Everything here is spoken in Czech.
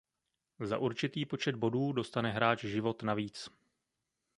Za určitý počet bodů dostane hráč život navíc.